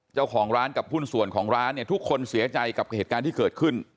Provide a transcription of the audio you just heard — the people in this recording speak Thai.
เจ้าของร้านกับหุ้นส่วนของร้านเนี่ยทุกคนเสียใจกับเหตุการณ์ที่เกิดขึ้น